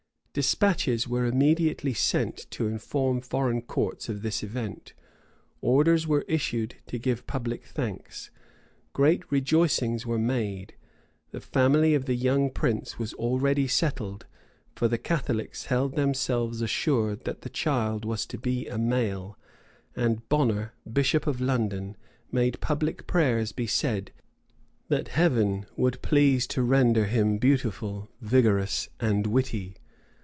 [] Despatches were immediately sent to inform foreign courts of this event: orders were issued to give public thanks: great rejoicings were made: the family of the young prince was already settled;[] for the Catholics held themselves assured that the child was to be a male: and Bonner, bishop of London, made public prayers be said, that Heaven would please to render him beautiful, vigorous, and witty.